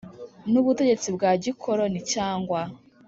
nubutegetsi bwa gikoloni cyangwa